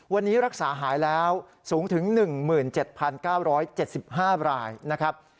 วันนี้รักษาหายแล้วสูงถึง๑๗๙๗๕รายนะครับ